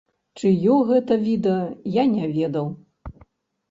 Чыё гэта відэа, я не ведаў.